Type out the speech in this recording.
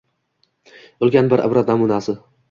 ulkan bir ibrat namunasi